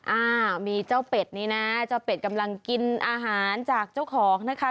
อ้าวมีเจ้าเป็ดนี่นะเจ้าเป็ดกำลังกินอาหารจากเจ้าของนะคะ